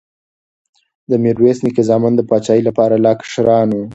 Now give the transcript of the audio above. د میرویس نیکه زامن د پاچاهۍ لپاره لا کشران وو.